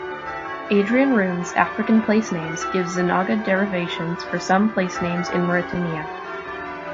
Adrian Room's "African Placenames" gives Zenaga derivations for some place-names in Mauritania.